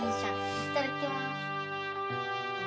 いただきます。